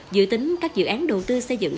dự tính các dự án đầu tư xây dựng